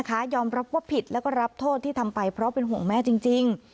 ยอมรับว่าผิดแล้วก็รับโทษที่ทำไปเพราะเป็นห่วงแม่จริง